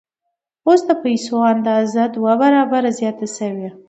اوس د پیسو اندازه دوه برابره زیاته شوې ده